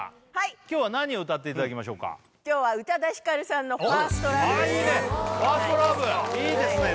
今日は何を歌っていただきましょうか今日は宇多田ヒカルさんの「ＦｉｒｓｔＬｏｖｅ」ですああ